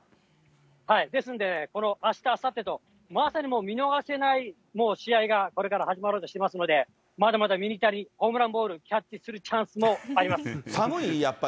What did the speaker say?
ですんで、あした、あさってとまさにもう見逃せない試合がこれから始まろうとしていますので、まだまだミニタニ、ホームランボールキャッチするチャンスもあります。